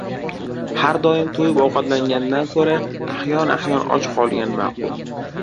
Har doim to‘yib ovqatlangandan ko‘ra ahyon-ahyon och qolgan ma’qul.